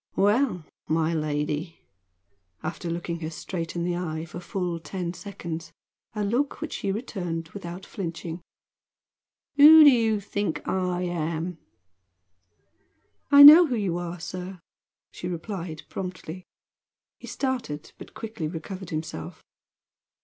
"Well, my lady," after looking her straight in the eye for full ten seconds a look which she returned without flinching "Who do you think I am?" "I know who you are, sir," she replied promptly. He started; but quickly recovered himself.